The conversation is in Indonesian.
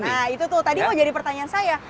nah itu tuh tadi mau jadi pertanyaan saya